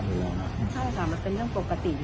มันเป็นเรื่องปกติอยู่แล้ว